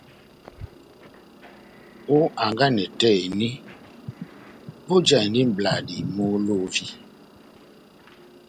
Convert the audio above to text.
Ó hanganɛ tɛ́h eni vojahindi mʼbladi muholovi.